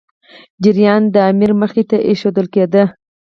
جریان د امیر مخي ته ایښودل کېدی.